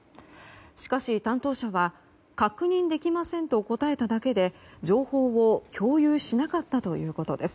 しかし担当者は確認できませんと答えただけで情報を共有しなかったということです。